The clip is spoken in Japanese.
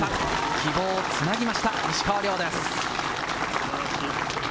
希望を繋ぎました、石川です。